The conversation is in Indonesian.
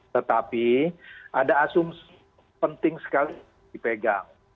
tetapi ada asumsi penting sekali dipegang